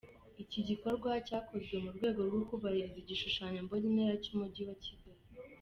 Iki gikorwa cyakozwe mu rwego rwo kubahiriza igishushanyo mbonera cy’umujyi wa Kigali.